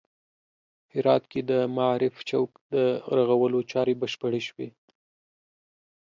هرات کې د معارف چوک د رغولو چارې بشپړې شوې